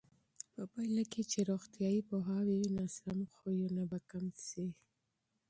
په پایله کې چې روغتیایي پوهاوی وي، ناسم عادتونه به کم شي.